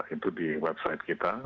itu di website kita